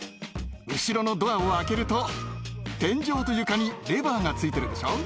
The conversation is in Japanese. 後ろのドアを開けると、天井と床にレバーがついてるでしょ。